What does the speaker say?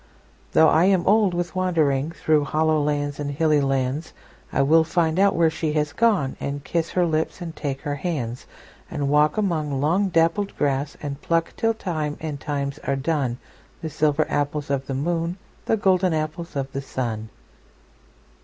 Though I am old with wanderingThrough hollow lands and hilly lands,I will find out where she has gone, And kiss her lips and take her hands; And walk among long dappled grass, And pluck till time and times are done, The silver apples of the moon, The golden apples of the sun.